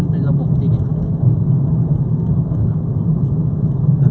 คุณผู้ชายเล่าจริงว่า